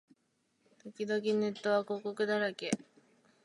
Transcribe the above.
年々ネットは広告だらけ